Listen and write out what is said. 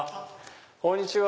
こんにちは。